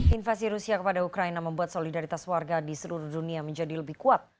invasi rusia kepada ukraina membuat solidaritas warga di seluruh dunia menjadi lebih kuat